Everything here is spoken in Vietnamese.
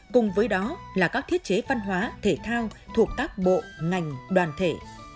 cùng với đó là các thiết chế văn hóa thể thao thuộc các bộ ngành đoàn thể